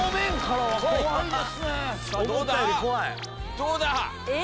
どうだ！